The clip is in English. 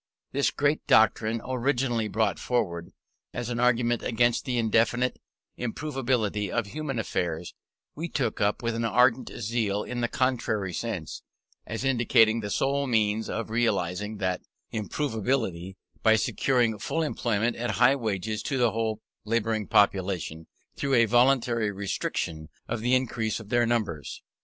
This great doctrine, originally brought forward as an argument against the indefinite improvability of human affairs, we took up with ardent zeal in the contrary sense, as indicating the sole means of realizing that improvability by securing full employment at high wages to the whole labouring population through a voluntary restriction of the increase of their numbers.